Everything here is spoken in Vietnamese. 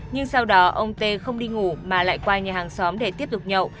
nhưng sau đó ông tê không đi ngủ mà lại qua nhà hàng xóm để tiếp tục nhậu